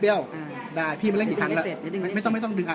เปรี้ยวอืมได้พี่มาเล่นกี่ครั้งแล้วไม่ต้องไม่ต้องดึง